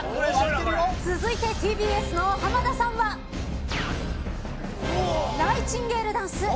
続いてＴＢＳの浜田さんはナイチンゲールダンス。